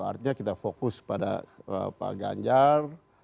artinya kita fokus pada pak ganjar